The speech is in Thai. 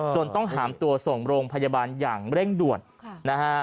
จนต้องหามตัวส่งโรงพยาบาลอย่างเร่งด่วนนะฮะ